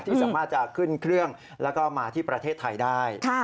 ที่สามารถจะขึ้นเครื่องแล้วก็มาที่ประเทศไทยได้